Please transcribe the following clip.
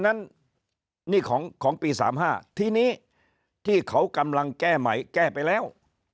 นั้นนี่ของปี๓๕ทีนี้ที่เขากำลังแก้ใหม่แก้ไปแล้ว